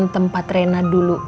tempat reina dulu